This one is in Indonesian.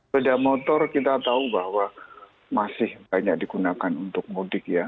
beda motor kita tahu bahwa masih banyak digunakan untuk mudik ya